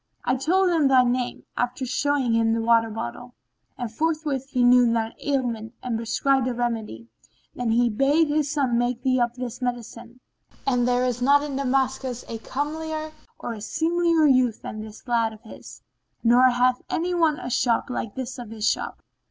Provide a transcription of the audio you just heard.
I told him thy name, after showing him the water bottle, and forthwith he knew thine ailment and prescribed a remedy. Then he bade his son make thee up this medicine; and there is not in Damascus a comelier or a seemlier youth than this lad of his, nor hath anyone a shop the like of his shop."